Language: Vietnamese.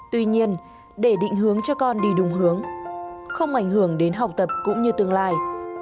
tuy nhiên để định hướng cho con đi đúng hướng không ảnh hưởng đến học tập cũng như tương lai